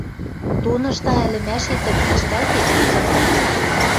— Тонышда ӹлӹмӓшетӹм ӓштӓлтет, ужамат.